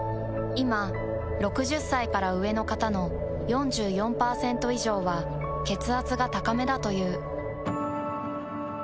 いま６０歳から上の方の４４％以上は血圧が高めだという。